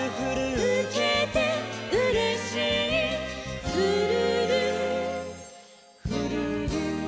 「うけてうれしいふるるふるるん」